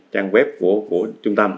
trang web của trung tâm